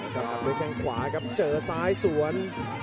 กลับไปแข่งขวาครับเจอซ้ายส่วน